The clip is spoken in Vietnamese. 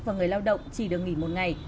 và người lao động chỉ được nghỉ một ngày